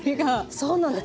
そうなんです。